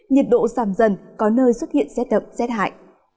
nhiệt độ giảm dần có nơi xuất hiện xét đậm xét hại